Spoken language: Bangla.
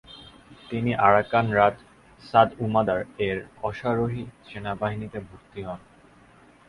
তিনি আরাকান রাজ সাদ উমাদার এর অশ্বারোহী সেনাবাহিনীতে ভর্তি হন।